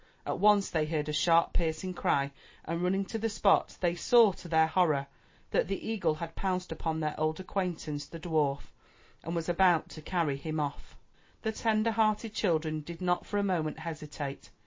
At once they heard a sharp, piercing cry and running to the spot, they saw, to their horror, that the eagle had pounced upon their old acquaintance, the dwarf, and was about to carry him off. The tender hearted children did not for a moment hesitate.